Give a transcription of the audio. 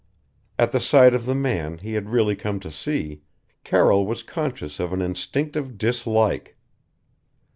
At the sight of the man he had really come to see, Carroll was conscious of an instinctive dislike.